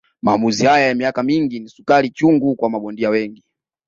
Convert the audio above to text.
Maamuzi haya ya miaka mingi ni sukari chungu kwa mabondia wengi